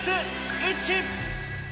イッチ。